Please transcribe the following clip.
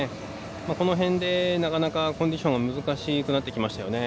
この辺でなかなかコンディション難しくなってきましたよね。